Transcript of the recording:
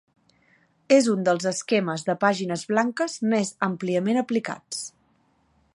És un dels esquemes de pàgines blanques més àmpliament aplicats.